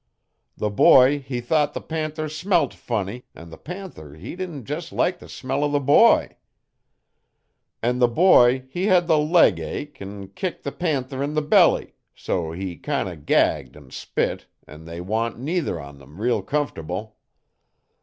The boy he thought the panther smelt funny an' the panther he didn't jes' like the smell o' the boy. An' the boy he hed the legache 'n kicked the panther 'n the belly, so 't he kin' o' gagged 'n spit an' they want neither on 'em reel comf'able.